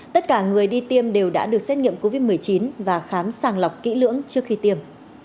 tất cả người đi tiêm đều đã được xét nghiệm covid một mươi chín và khám sàng lọc kỹ lưỡng trước khi tiêm